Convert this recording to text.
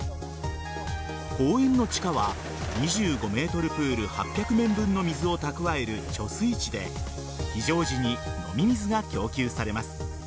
公園の地下は２５ｍプール８００面分の水を蓄える貯水池で非常時に飲み水が供給されます。